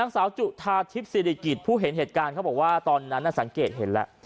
สาวจุธาทิพย์ศิริกิจผู้เห็นเหตุการณ์เขาบอกว่าตอนนั้นสังเกตเห็นแล้ว